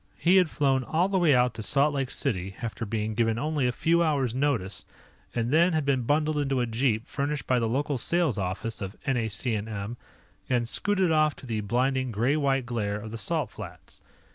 He had flown all the way out to Salt Lake City after being given only a few hours notice, and then had been bundled into a jeep furnished by the local sales office of NAC&M and scooted off to the blinding gray white glare of the Salt Flats.